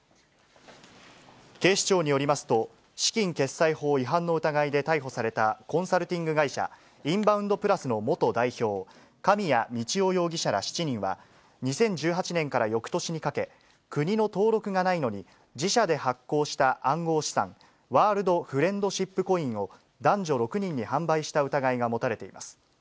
警視庁によりますと、資金決済法違反の疑いで逮捕された、コンサルティング会社、インバウンドプラスの元代表、紙屋道雄容疑者ら７人は、２０１８年からよくとしにかけ、国の登録がないのに、自社で発行した暗号資産、ワールドフレンドシップコインを、男女６人に販売した疑いが持たれています。